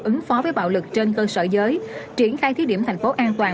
ứng phó với bạo lực trên cơ sở giới triển khai thí điểm thành phố an toàn